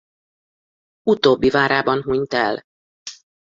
Utóbbi várában hunyt el.